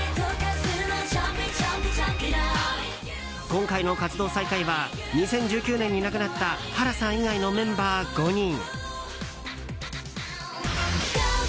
今回の活動再開は２０１９年に亡くなったハラさん以外のメンバー５人。